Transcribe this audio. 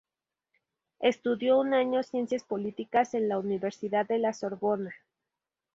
Estudió un año Ciencias Políticas en la Universidad de La Sorbona.